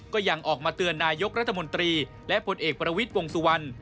ก็ยังออกมาเตือนนายกรัฐมนตรีและผลเอกประวิทย์วงสุวรรณ